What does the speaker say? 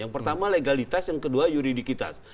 yang pertama legalitas yang kedua yuridikitas